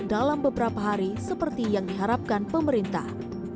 dalam beberapa hari seperti yang diharapkan pemerintah